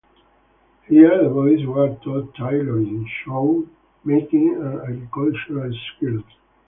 Here the boys were taught tailoring, shoe making, and agricultural skills.